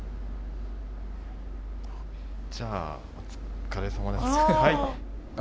じゃあお疲れさまでした。